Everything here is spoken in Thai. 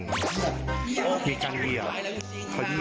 มีการเยี่ยมเหรอ